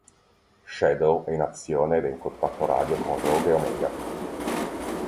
Shadow è in azione ed è in contatto radio con Rouge e Omega.